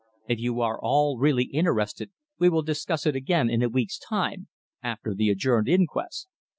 If you are all really interested we will discuss it again in a week's time after the adjourned inquest."